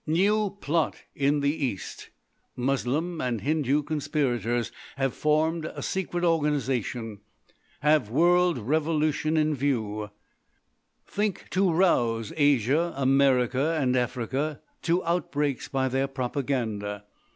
NEW PLOT IN EAST Moslem and Hindu Conspirators Have Formed Secret Organisation Have World Revolution in View Think to Rouse Asia, America, and Africa to Outbreaks by Their Propaganda.